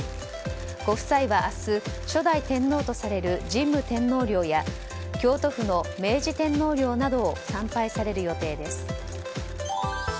ご夫妻は明日、初代天皇とされる神武天皇陵や京都府の明治天皇陵などを参拝される予定です。